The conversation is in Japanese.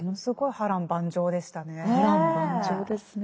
波乱万丈ですね。